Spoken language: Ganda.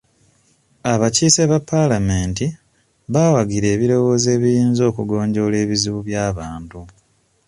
Abakiise ba palamenti baawagira ebirowoozo ebiyinza okugonjoola ebizibu by'abantu